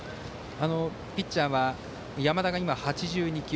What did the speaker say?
ピッチャーは山田が今、８２球。